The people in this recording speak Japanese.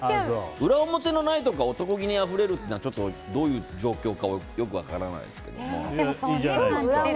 裏表のないとか男気にあふれるとかはちょっとどういう状況かよく分からないですけど。